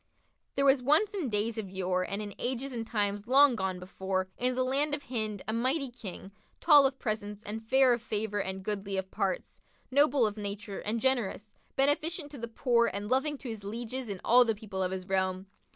[FN#55] There was once in days of yore and in ages and times long gone before, in the land of Hind, a mighty King, tall of presence and fair of favour and goodly of parts, noble of nature and generous, beneficent to the poor and loving to his lieges and all the people of his realm.